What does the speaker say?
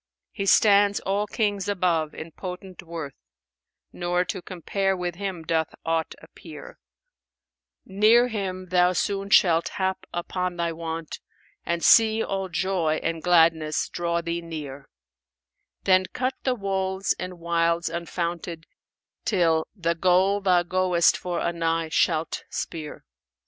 He stands all Kings above in potent worth; * Nor to compare with him doth aught appear: Near him thou soon shalt hap upon thy want, * And see all joy and gladness draw thee near: Then cut the wolds and wilds unfounted till * The goal thou goest for anigh shalt speer!"